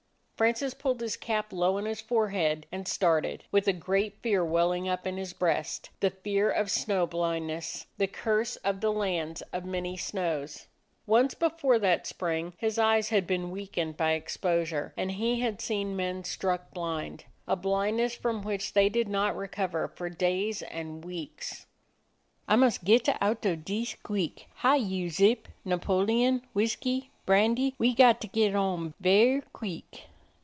Francis pulled his cap low on his forehead and started, with a great fear welling up in his breast; the fear of snow blindness, the curse of the lands of many snows. Once before that spring his eyes had been weakened by expos ure, and he had seen men struck blind ; a blind ness from which they did not recover for days and weeks. "Ah mus' getta out of dees, queek. Hi, you Zip, Napoleon, Whiskee, Brandee, we gotta get on ver' queek."